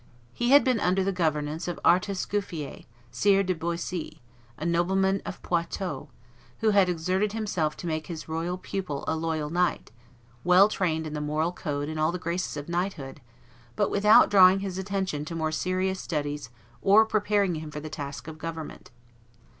He had been under the governance of Artus Gouffier, Sire de Boisy, a nobleman of Poitou, who had exerted himself to make his royal pupil a loyal knight, well trained in the moral code and all the graces of knighthood, but without drawing his attention to more serious studies or preparing him for the task of government.